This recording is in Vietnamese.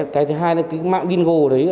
cái thứ hai là cái mạng gingo đấy